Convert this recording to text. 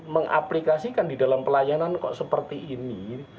mengaplikasikan di dalam pelayanan kok seperti ini